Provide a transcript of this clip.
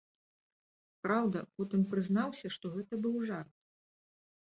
Праўда, потым прызнаўся, што гэта быў жарт.